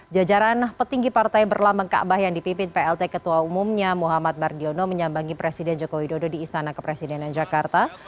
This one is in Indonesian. jajaran petinggi partai berlambang kaabah yang dipimpin plt ketua umumnya muhammad mardiono menyambangi presiden joko widodo di istana kepresidenan jakarta